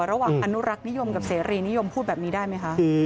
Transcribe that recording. อนุรักษ์นิยมกับเสรีนิยมพูดแบบนี้ได้ไหมคะ